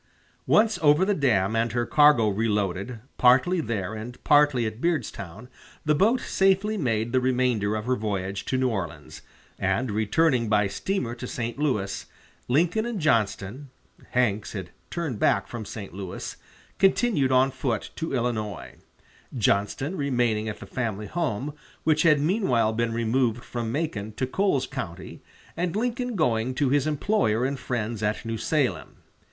Once over the dam and her cargo reloaded, partly there and partly at Beardstown, the boat safely made the remainder of her voyage to New Orleans; and, returning by steamer to St. Louis, Lincoln and Johnston (Hanks had turned back from St. Louis) continued on foot to Illinois, Johnston remaining at the family home, which had meanwhile been removed from Macon to Coles County, and Lincoln going to his employer and friends at New Salem.